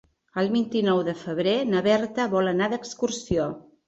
El vint-i-nou de febrer na Berta vol anar d'excursió.